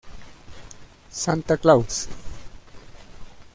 Santa Claus".